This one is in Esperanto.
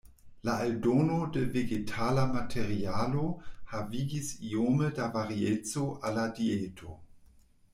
La aldono de vegetala materialo havigis iome da varieco al la dieto.